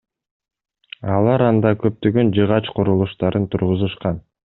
Алар анда көптөгөн жыгач курулуштарын тургузушкан.